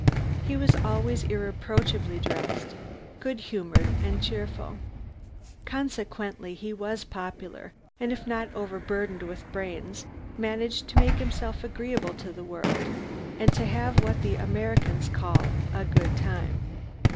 He was always irreproachably dressed, good humored and cheerful. Consequently he was popular, and if not overburdened with brains, managed to make himself agreeable to the world, and to have what the Americans call "a good time."